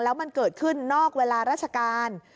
แล้วมันเกิดขึ้นนอกเวลาราชการ